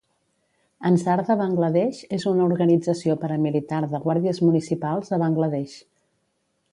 Ansar de Bangla Desh és una organització paramilitar de guàrdies municipals a Bangla Desh.